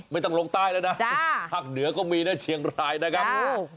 ไม่ต้องลงใต้แล้วนะภาคเหนือก็มีนะเชียงรายนะครับ